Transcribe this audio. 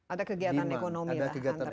ada kegiatan ekonomi lah antara